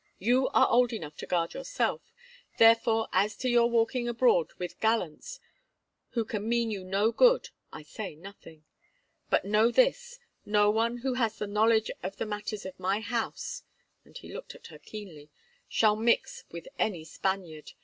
"You are old enough to guard yourself, therefore as to your walking abroad with gallants who can mean you no good I say nothing. But know this—no one who has knowledge of the matters of my house," and he looked at her keenly, "shall mix with any Spaniard.